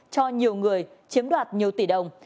cho nhiều người chiếm đoạt nhiều tỷ đồng